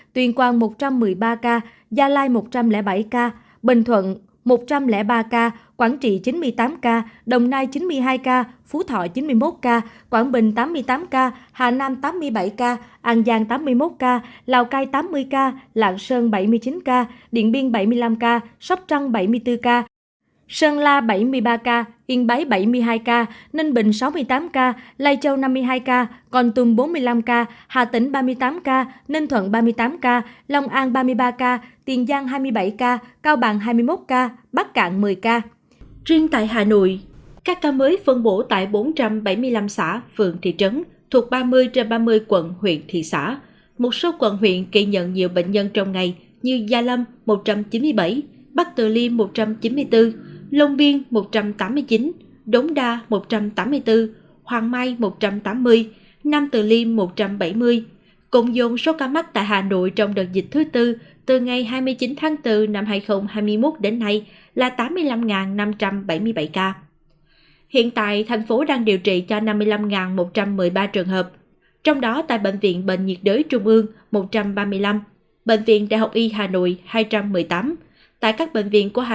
tuyền quang một trăm một mươi ba ca gia lai một trăm linh bảy ca bình thuận một trăm linh ba ca quảng trị chín mươi tám ca đồng nai chín mươi hai ca phú thọ chín mươi một ca quảng bình tám mươi tám ca hà nam tám mươi bảy ca an giang tám mươi một ca lào cai tám mươi ca lạng sơn bảy mươi chín ca điện biên bảy mươi năm ca sóc trăng bảy mươi bốn ca sơn la bảy mươi ba ca yên báy bảy mươi hai ca ninh bình sáu mươi tám ca lây châu năm mươi hai ca còn tùng bốn mươi năm ca hà tỉnh ba mươi tám ca ninh bình sáu mươi tám ca hà ninh bảy mươi hai ca hà ninh bảy mươi hai ca hà ninh bảy mươi hai ca hà ninh bảy mươi hai ca hà ninh bảy mươi hai ca hà ninh bảy mươi hai ca hà ninh bảy mươi hai ca hà ninh bảy mươi hai ca hà ninh bảy mươi hai ca hà ninh bảy mươi hai ca hà ninh bảy mươi hai ca h